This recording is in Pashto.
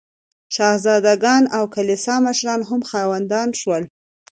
شهزاده ګان او کلیسا مشران هم خاوندان شول.